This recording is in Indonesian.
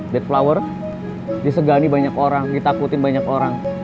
thit flower disegani banyak orang ditakutin banyak orang